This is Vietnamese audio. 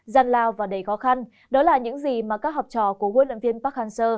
gian lao và đầy khó khăn đó là những gì mà các học trò của huấn luyện viên park hang seo